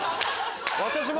私も。